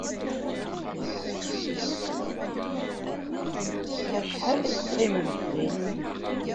Acḥal ay teqqimemt din?